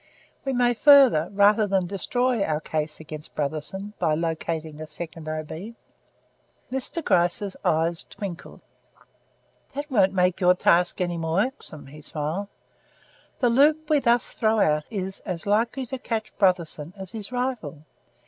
We may further, rather than destroy, our case against Brotherson by locating a second O.B." Mr. Gryce's eyes twinkled. "That won't make your task any more irksome," he smiled. "The loop we thus throw out is as likely to catch Brotherson as his rival.